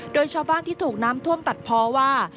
โดยชาวบ้านที่ถูกน้ำท่วมตัดเพราะว่า